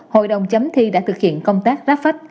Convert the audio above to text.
hội đồng chấm thi đã thực hiện công tác ráp phách